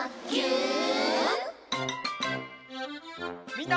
みんな。